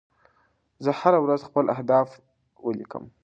زه هره ورځ خپل اهداف ولیکم.